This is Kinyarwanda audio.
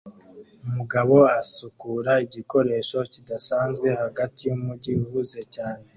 Umugabo asukura igikoresho kidasanzwe hagati yumujyi uhuze cyane